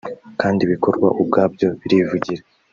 kandi ibikorwa ubwabyo birivugira